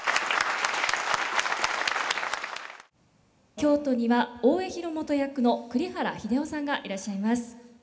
京都には大江広元役の栗原英雄さんがいらっしゃいます。